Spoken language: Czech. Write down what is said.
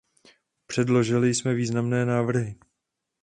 Předložili jsme významné návrhy.